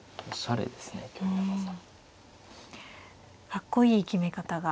かっこいい決め方が。